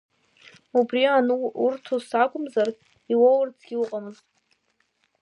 Убри анурҭоз, сакәымзар, иуоурцгьы уҟаӡамызт.